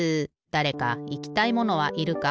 だれかいきたいものはいるか？